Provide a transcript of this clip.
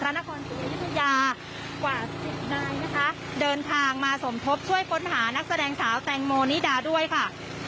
กว่าสิบใดนะคะเดินทางมาส่งทบช่วยค้นห้านักแสดงสาวแต่งโมนิดาด้วยค่ะ